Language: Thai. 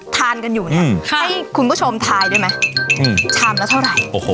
ทานกันอยู่นะครับให้คุณผู้ชมทายด้วยไหมอืมชามแล้วเท่าไหร่โอ้โห